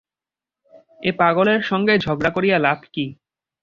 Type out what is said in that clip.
এ পাগলের সঙ্গে ঝগড়া করিয়া লাভ কী?